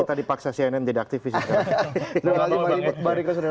kita dipaksa cnn tidak aktifis